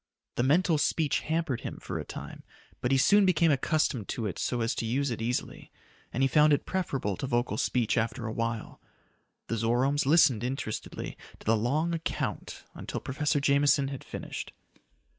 The mental speech hampered him for a time, but he soon became accustomed to it so as to use it easily, and he found it preferable to vocal speech after a while. The Zoromes listened interestedly to the long account until Professor Jameson had finished.